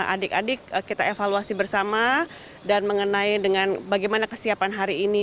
adik adik kita evaluasi bersama dan mengenai dengan bagaimana kesiapan hari ini